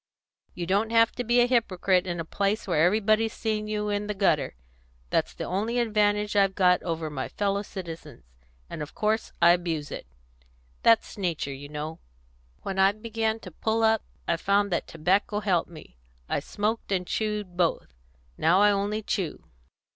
You don't have to be a hypocrite in a place where everybody's seen you in the gutter; that's the only advantage I've got over my fellow citizens, and of course I abuse it; that's nature, you know. When I began to pull up I found that tobacco helped me; I smoked and chewed both; now I only chew.